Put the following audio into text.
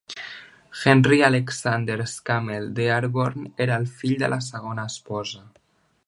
Henry Alexander Scammell Dearborn era el fill de la seva segona esposa.